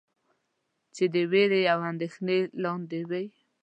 چې د وېرې او اندېښنې لاندې وئ.